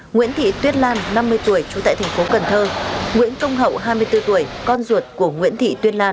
nguyễn thị tuyết lan năm mươi tuổi trú tại thành phố cần thơ nguyễn công hậu hai mươi bốn tuổi con ruột của nguyễn thị tuyết lan